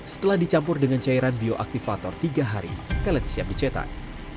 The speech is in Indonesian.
setelah dicampur dengan cairan bioaktifator tiga hari keled siap dicetak